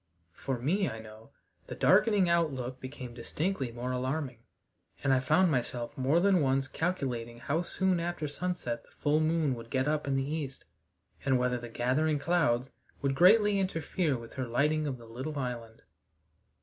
For me, I know, the darkening outlook became distinctly more alarming, and I found myself more than once calculating how soon after sunset the full moon would get up in the east, and whether the gathering clouds would greatly interfere with her lighting of the little island.